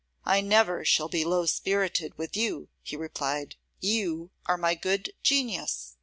'I never shall be low spirited with you,' he replied; 'you are my good genius.